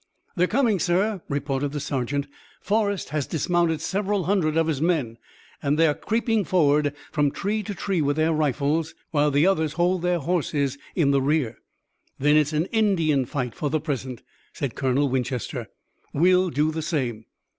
"They're coming, sir," reported the sergeant. "Forrest has dismounted several hundred of his men, and they are creeping forward from tree to tree with their rifles, while the others hold their horses in the rear." "Then it's an Indian fight for the present," said Colonel Winchester. "We'll do the same."